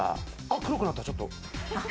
黒くなった、ちょっと。